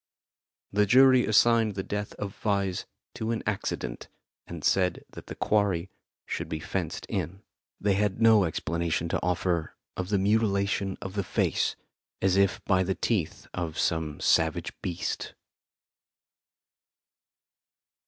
The jury assigned the death of Vyse to an accident, and said that the quarry should be fenced in. They had no explanation to offer of the mutilation of the face, as if by the teeth of some savage beast.